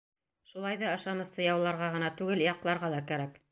Шулай ҙа ышанысты яуларға ғына түгел, яҡларға ла кәрәк.